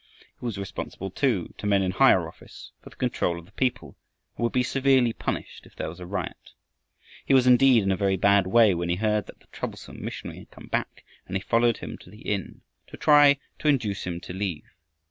He was responsible, too, to men in higher office, for the control of the people, and would be severely punished if there was a riot, he was indeed in a very bad way when he heard that the troublesome missionary had come back, and he followed him to the inn to try to induce him to leave.